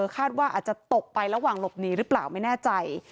คาดว่าอาจจะตกไประหว่างหลบหนีหรือเปล่าไม่แน่ใจ